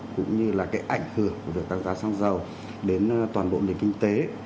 cũng như là cái ảnh hưởng của việc tăng giá xăng dầu đến toàn bộ nền kinh tế